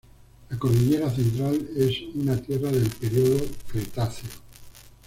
La Cordillera Central es una tierra del período Cretáceo.